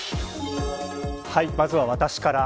まずは私から。